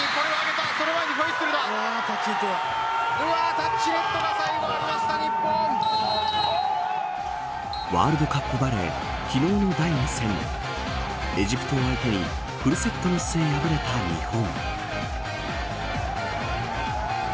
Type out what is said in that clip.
タッチネットが最後ありましたワールドカップバレー昨日の第２戦エジプトを相手にフルセットの末、敗れた日本。